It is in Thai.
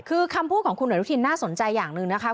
คือคำพูดของคุณอนุทินน่าสนใจอย่างหนึ่งนะคะ